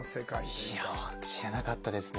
いやぁ知らなかったですね。